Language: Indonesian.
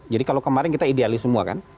jadi kalau kemarin kita idealis semua kan